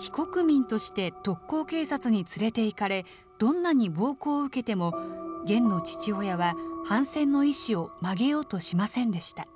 非国民として特高警察に連れていかれ、どんなに暴行を受けても、ゲンの父親は、反戦の意思を曲げようとしませんでした。